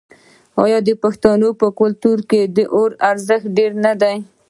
آیا د پښتنو په کلتور کې د اور ارزښت ډیر نه دی؟